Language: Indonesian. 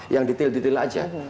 yang detail detail aja